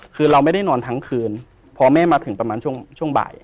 คือเราไม่ได้นอนทั้งคืนพอแม่มาถึงประมาณช่วงบ่าย